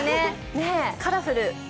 カラフル。